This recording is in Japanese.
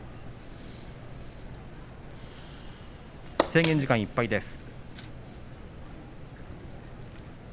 制限時間いっぱいです。